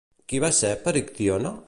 Qui va ser Perictione?